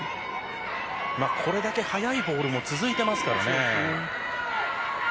これだけ速いボールが続いていますからね。